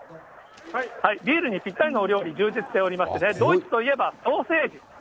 ビールにぴったりのお料理、充実しておりましてね、ドイツといえば、ソーセージ。